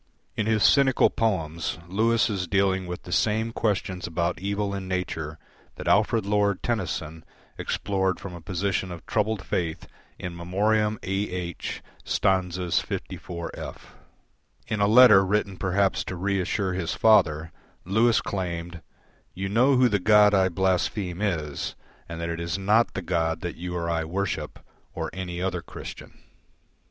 In his cynical poems, Lewis is dealing with the same questions about evil in nature that Alfred Lord Tennyson explored from a position of troubled faith in "In Memoriam A. H." (Stanzas 54f). In a letter written perhaps to reassure his father, Lewis claimed, "You know who the God I blaspheme is and that it is not the God that you or I worship, or any other Christian."